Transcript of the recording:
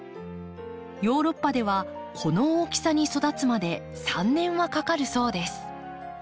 ヨーロッパではこの大きさに育つまで３年はかかるそうです。